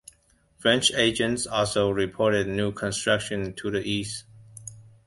French agents also reported new construction to the east.